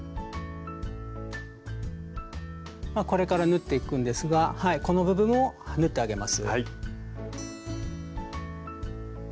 これから縫っていくんですがこの部分を縫ってあげます。